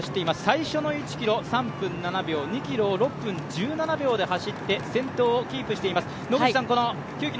最初の１ｋｍは３分７秒、２ｋｍを６分１７秒で走って、先頭をキープしています。